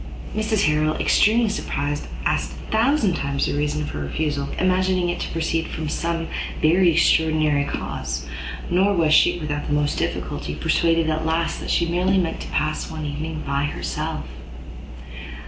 Mrs Harrel, extremely surprised, asked a thousand times the reason of her refusal, imagining it to proceed from some very extraordinary cause; nor was she, without the utmost difficulty, persuaded at last that she merely meant to pass one evening by herself.